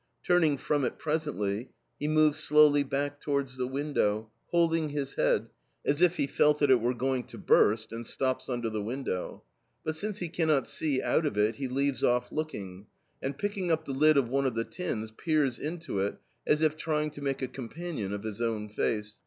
Turning from it, presently, he moves slowly back towards the window, holding his head, as if he felt that it were going to burst, and stops under the window. But since he cannot see out of it he leaves off looking, and, picking up the lid of one of the tins, peers into it, as if trying to make a companion of his own face.